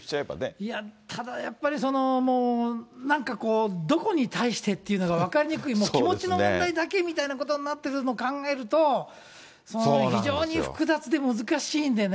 いや、ただやっぱり、なんかこう、どこに対してっていうのが分かりにくい、もう気持ちの問題だけみたいなことになってると考えると、非常に複雑で難しいんでね。